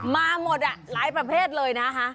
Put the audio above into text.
มาหมดหลายประเภทเลยนะคะ